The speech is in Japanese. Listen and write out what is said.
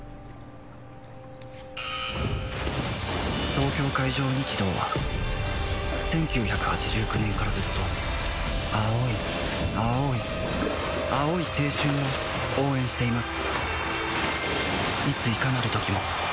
東京海上日動は１９８９年からずっと青い青い青い青春を応援しています